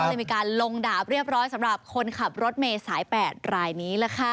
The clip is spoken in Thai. เลยมีการลงดาบเรียบร้อยสำหรับคนขับรถเมย์สาย๘รายนี้ล่ะค่ะ